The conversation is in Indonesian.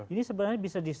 ini sebenarnya bisa disasati